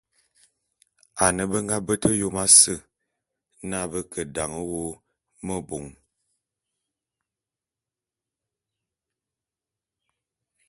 Ane be nga bete Yom ase na be ke dan wô mebôn.